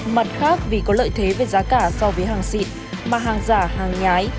mặt khác vì có lợi thế về giá cả so với hàng xịt mà hàng giả hàng nhái